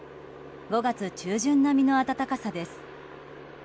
５月中旬並みの暖かさです。